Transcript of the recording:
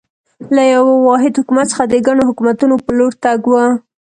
له یوه واحد حکومت څخه د ګڼو حکومتونو په لور تګ و.